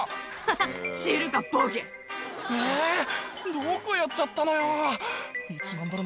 どこやっちゃったのよ。